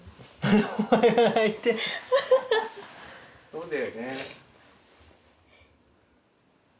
そうだよね。